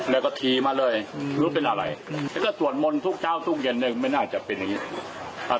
แล้วก็ทีมาเลยอืมรู้เป็นอะไรอืมแล้วก็ตรวจมนต์ทุกเช้าทุกเย็นเนี้ยไม่น่าจะเป็นอย่างงี้